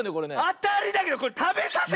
あたりだけどこれたべさせて！